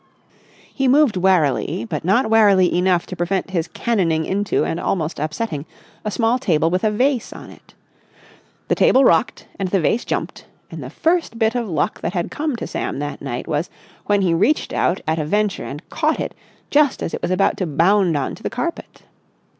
He moved warily, but not warily enough to prevent his cannoning into and almost upsetting a small table with a vase on it. The table rocked and the vase jumped, and the first bit of luck that had come to Sam that night was when he reached out at a venture and caught it just as it was about to bound on to the carpet.